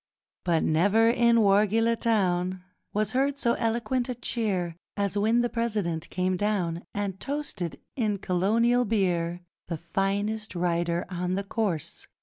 But never, in Wargeilah Town, Was heard so eloquent a cheer As when the President came down, And toasted, in Colonial Beer, 'The finest rider on the course!